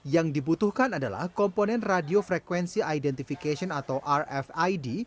yang dibutuhkan adalah komponen radiofrekuensi identification atau rfid